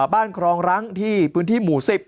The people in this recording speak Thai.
ครองรังที่พื้นที่หมู่๑๐